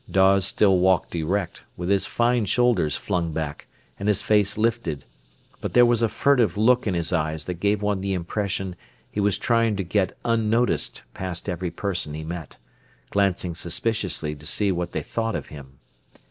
Dawes still walked erect, with his fine shoulders flung back, and his face lifted; but there was a furtive look in his eyes that gave one the impression he was trying to get unnoticed past every person he met, glancing suspiciously to see what they thought of him.